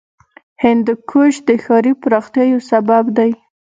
هندوکش د ښاري پراختیا یو سبب دی.